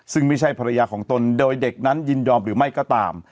ซึ่งไม่ใช่ภรรยาของตนโดยเด็กนั้นยินยอมหรือไม่ก็ตาม